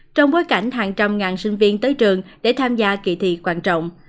trong bối cảnh hàng trăm ngàn sinh viên tới trường để tham gia kỳ thị quan trọng